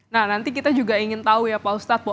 nah nanti kita juga ingin tahu ya pak ustadz